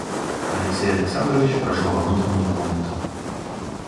Алексей Александрович прошел во внутренние комнаты.